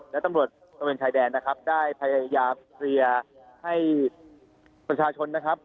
และตำรวจตระเวนชายแดนนะครับได้พยายามเคลียร์ให้ประชาชนนะครับ